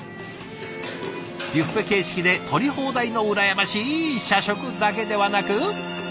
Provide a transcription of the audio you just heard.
ビュッフェ形式で取り放題の羨ましい社食だけではなく。